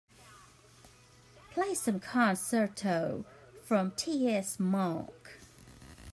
Play some concerto from T. S. Monk.